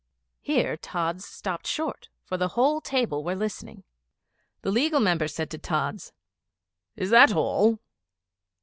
"' Here Tods stopped short, for the whole table were listening. The Legal Member said to Tods, 'Is that all?'